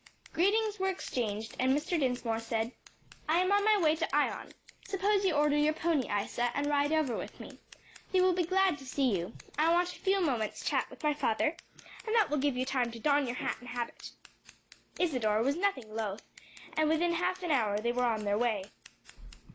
Greetings were exchanged and Mr. Dinsmore said, "I am on my way to Ion. Suppose you order your pony, Isa, and ride over with me. They will be glad to see you. I want a few moments chat with my father, and that will give you time to don your hat and habit." Isadore was nothing loath, and within half an hour they were on their way.